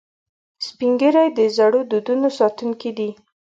سپین ږیری د زړو دودونو ساتونکي دي